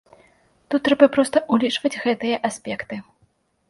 Тут трэба проста ўлічваць гэтыя аспекты.